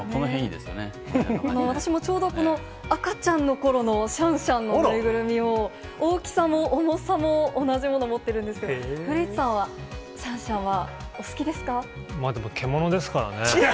私もちょうど赤ちゃんのころのシャンシャンの縫いぐるみを、大きさも重さも同じものを持ってるんですけど、古市さんは、まあでも、獣ですからね。